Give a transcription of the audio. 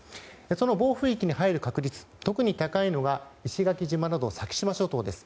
その暴風域に入る確率特に高いのが石垣島など、先島諸島です。